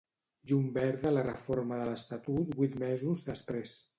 Llum verda a la reforma de l'estatut vuit mesos després.